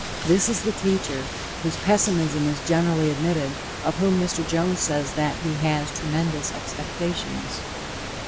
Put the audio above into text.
This is the teacher, whose pessimism is generally admitted, of whom Mr. Jones says that, he had "tremendous expectations."